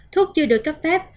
thuốc chưa được cấp phép